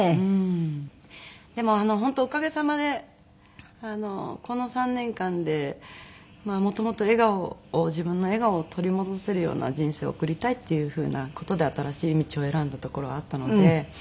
でも本当おかげさまでこの３年間でもともと笑顔を自分の笑顔を取り戻せるような人生を送りたいっていう風な事で新しい道を選んだところはあったので。